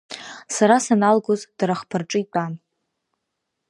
Сара саналгоз дара хԥа рҿы итәан.